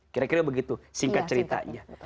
kira kira begitu singkat ceritanya